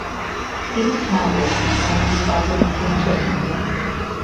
He was married and was the father of two children.